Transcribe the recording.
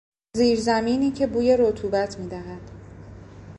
زیر زمینی که بوی رطوبت میدهد